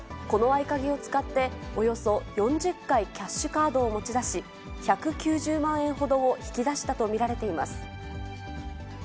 この合鍵を使って、およそ４０回、キャッシュカードを持ち出し、１９０万円ほどを引き出したと見られています。